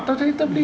tôi thấy tâm lý